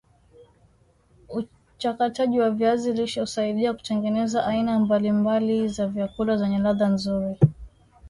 uchakataji wa viazi lishe husaidia Kutengeneza aina mbali mbali za vyakula zenye ladha nzuri